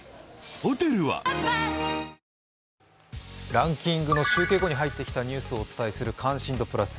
ランキングの集計後に入ってきたあとにお伝えする「関心度プラス」。